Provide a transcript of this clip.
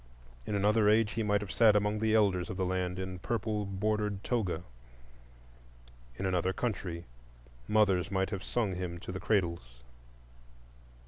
In another age he might have sat among the elders of the land in purple bordered toga; in another country mothers might have sung him to the cradles.